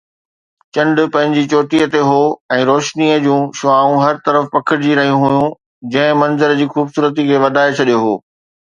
چنڊ پنهنجي چوٽيءَ تي هو ۽ روشنيءَ جون شعاعون هر طرف پکڙجي رهيون هيون، جنهن منظر جي خوبصورتي کي وڌائي ڇڏيو هو.